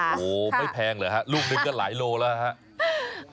โอ้โฮไม่แพงเลยครับลูกหนึ่งก็หลายโลแล้วนะฮะ